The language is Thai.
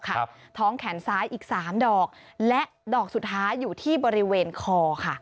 ท้องแขนซ้ายอีกสามดอกและดอกสุดท้ายอยู่ที่บริเวณคอค่ะ